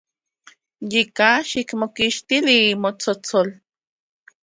Yika, xikmokixtili motsotsol.